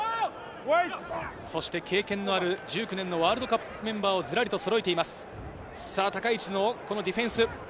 そして経験のある２０１９年のワールドカップメンバーをずらりとそろえています。